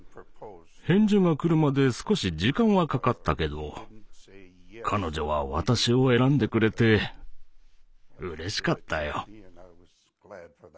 返事が来るまで少し時間はかかったけど彼女は私を選んでくれてうれしかったよ。